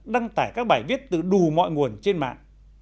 đăng tải các bài viết từ đủ mọi nguồn trên mạng